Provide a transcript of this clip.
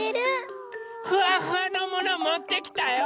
フワフワのものもってきたよ！